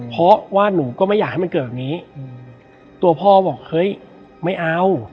เพราะว่าหนูก็ไม่อยากให้มันเกิดแบบนี้ตัวพ่อบอกเฮ้ยไม่เอา